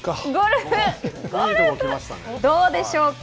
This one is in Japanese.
どうでしょうか。